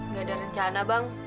nggak ada rencana bang